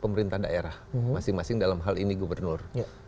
pemerintah daerah masing masing dalam hal ini gubernur